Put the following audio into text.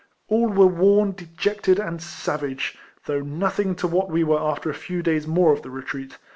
All were worn, dejected, and savage, though nothing to what we were after a few days more of the retreat.